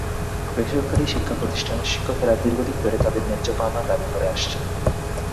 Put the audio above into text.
বেসরকারি শিক্ষাপ্রতিষ্ঠানের শিক্ষকেরা দীর্ঘদিন ধরে তাঁদের ন্যায্য পাওনা দাবি করে আসছেন।